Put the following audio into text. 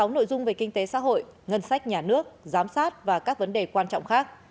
một mươi nội dung về kinh tế xã hội ngân sách nhà nước giám sát và các vấn đề quan trọng khác